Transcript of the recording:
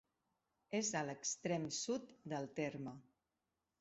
És a l'extrem sud del terme.